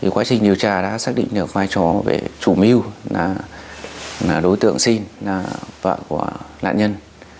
quá trình điều tra đã xác định được vai trò về chủ mưu là đối tượng xin là vợ của nạn nhân